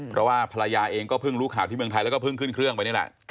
เพราะว่าภรรยาเองก็เพิ่งรู้ข่าวที่เมืองไทยแล้วก็เพิ่งขึ้นเครื่องไปนี่แหละ